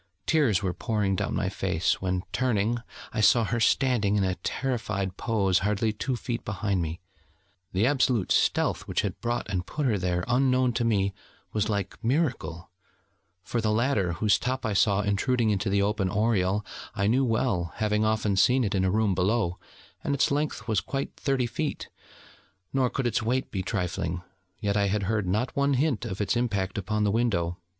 Tears were pouring down my face, when, turning, I saw her standing in a terrified pose hardly two feet behind me. The absolute stealth which had brought and put her there, unknown to me, was like miracle: for the ladder, whose top I saw intruding into the open oriel, I knew well, having often seen it in a room below, and its length was quite thirty feet, nor could its weight be trifling: yet I had heard not one hint of its impact upon the window.